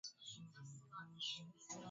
mwenyeji anaweza kumuoji mtu mmoja pekee